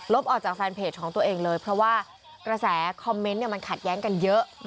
ออกจากแฟนเพจของตัวเองเลยเพราะว่ากระแสคอมเมนต์มันขัดแย้งกันเยอะ